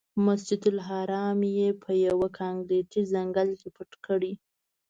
مسجدالحرام یې په یوه کانکریټي ځنګل کې پټ کړی.